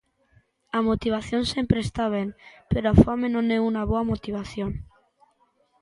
A motivación sempre está ben, pero a fame non é unha boa motivación.